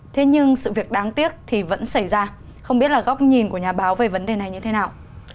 thế nhưng sự việc đáng tiếc thì vẫn xảy ra không biết là góc nhìn của nhà báo về vấn đề này như thế nào